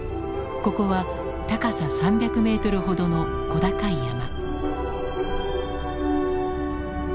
ここは高さ３００メートルほどの小高い山。